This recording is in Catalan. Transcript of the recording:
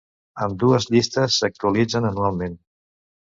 Ambdues llistes s'actualitzen anualment.